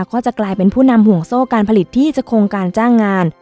ก็จะกลายเป็นผู้นำห่วงโซ่การผลิตที่จะโครงการจ้างงาน